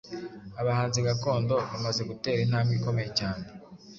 Abahanzi gakondo bamaze gutera intambwe ikomeye cyane